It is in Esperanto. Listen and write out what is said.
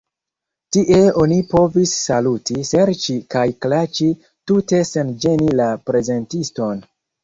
Tie oni povis saluti, ŝerci kaj klaĉi tute sen ĝeni la prezentiston.